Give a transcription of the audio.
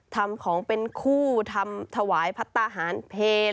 ทำของเป็นคู่ทำถวายพัฒนาหารเพล